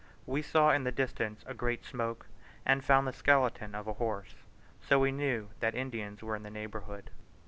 We saw in the distance a great smoke, and found the skeleton of a horse, so we knew that Indians were in the neighbourhood.